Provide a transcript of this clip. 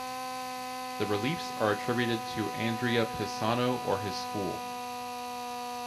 The reliefs are attributed to Andrea Pisano or his school.